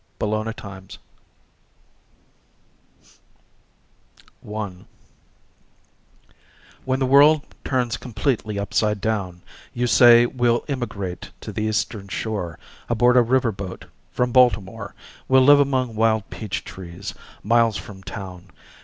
WILD PEACHES 1 When the world turns completely upside down You say we'll emigrate to the Eastern Shore Aboard a river boat from Baltimore; We'll live among wild peach trees, miles from town.